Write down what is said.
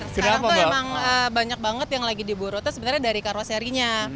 sekarang tuh emang banyak banget yang lagi diburu tuh sebenarnya dari karoserinya